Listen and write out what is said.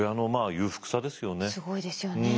すごいですよね。